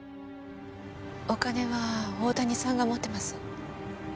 お金は大谷さんが持ってます。